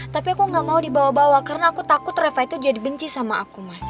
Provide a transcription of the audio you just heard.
tapi aku gak mau dibawa bawa karena aku takut reva itu jadi benci sama aku mas